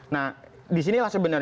nah disini langsung saja